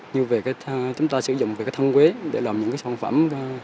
như về chúng ta sử dụng về cái thân quế để làm những cái sản phẩm